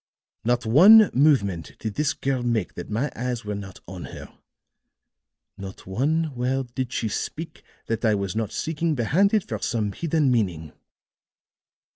Not one movement did this girl make that my eyes were not on her; not one word did she speak that I was not seeking behind it for some hidden meaning.